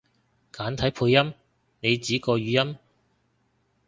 簡體配音？你指個語音？